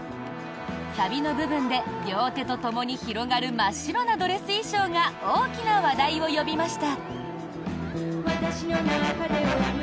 サビの部分で両手とともに広がる真っ白なドレス衣装が大きな話題を呼びました。